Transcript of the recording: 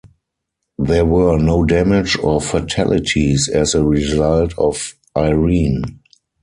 There were no damage or fatalities as a result of Irene.